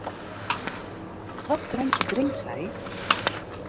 Wat drankje drinkt sy?